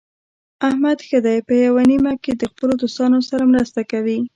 احمد ښه دی په یوه نیمه کې د خپلو دوستانو سره مرسته کوي.